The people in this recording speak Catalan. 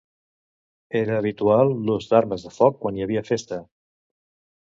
Era habitual l'ús d'armes de foc quan hi havia festa.